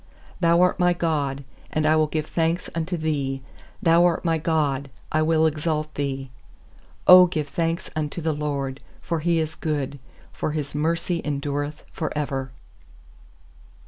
28Thou art my God, and I will give thanks unto Thee; Thou art my God, I will exalt Thee. 29Q give thanks unto the LORD, for He is good, For His mercy endureth for ever.